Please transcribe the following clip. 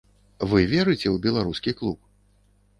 Вы верыце ў беларускі клуб?